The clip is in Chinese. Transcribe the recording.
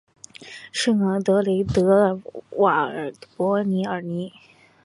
圣昂德雷德瓦尔博尔尼。